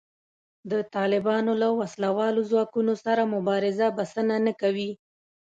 د طالبانو له وسله والو ځواکونو سره مبارزه بسنه نه کوي